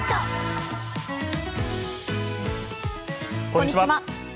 こんにちは。